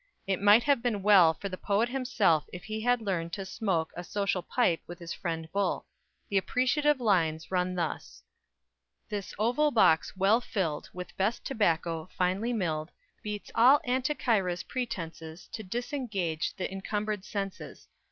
It might have been well for the poet himself if he had learned to smoke a social pipe with his friend Bull. The appreciative lines run thus: _This oval box well filled With best tobacco, finely milled, Beats all Anticyra's pretences To disengage the encumbered senses.